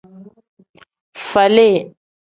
Faali.